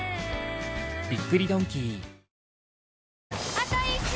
あと１周！